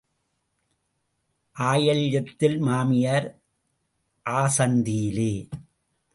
ஆயில்யத்தில் மாமியார் ஆசந்தியிலே.